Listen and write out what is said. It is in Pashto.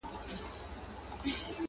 اوس له شپو سره راځي اغزن خوبونه!.